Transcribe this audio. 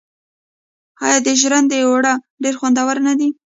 آیا د ژرندې اوړه ډیر خوندور نه وي؟